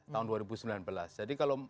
tahun dua ribu sembilan belas jadi kalau